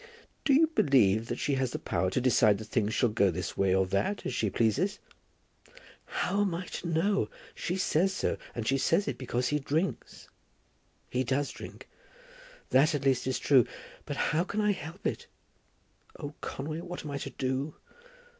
"Do you believe that she has the power to decide that things shall go this way or that, as she pleases?" "How am I to know? She says so, and she says it is because he drinks. He does drink. That at least is true; but how can I help it? Oh, Conway, what am I to do?